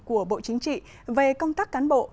của bộ chính trị về công tác cán bộ